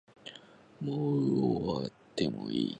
もう終わりたい